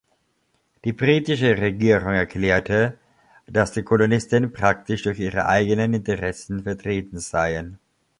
Die britische Regierung erklärte, dass die Kolonisten praktisch durch ihre eigenen Interessen vertreten seien.